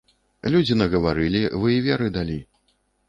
Людзі нагаварылі, вы і веры далі.